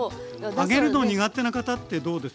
揚げるの苦手な方ってどうです？